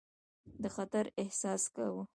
د خطر احساس کاوه.